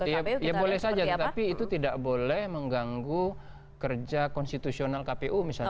ke kpu ya boleh saja tapi itu tidak boleh mengganggu kerja konstitusional kpu misalnya